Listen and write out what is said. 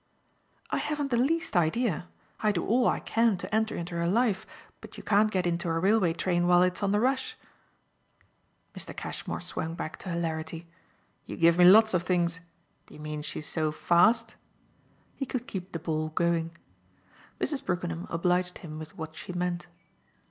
"I haven't the least idea. I do all I can to enter into her life, but you can't get into a railway train while it's on the rush." Mr. Cashmore swung back to hilarity. "You give me lots of things. Do you mean she's so 'fast'?" He could keep the ball going. Mrs. Brookenham obliged him with what she meant.